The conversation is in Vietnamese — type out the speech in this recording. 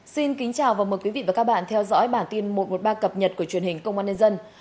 xin kính chào và mời quý vị và các bạn theo dõi bản tin một trăm một mươi ba cập nhật của truyền hình công an nhân dân